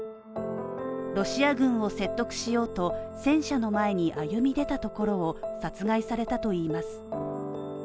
ロシア軍を説得しようと戦車の前に歩み出たところを殺害されたといいます。